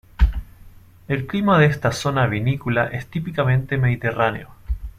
El clima de esta zona vinícola es típicamente mediterráneo.